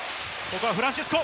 フランシスコ。